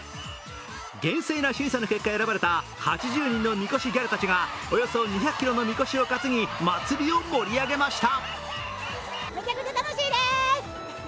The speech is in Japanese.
厳正な審査の結果、選ばれた８０人のみこしギャルたちがおよそ２００ｋｇのみこしを担ぎ祭りを盛り上げました。